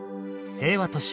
平和都市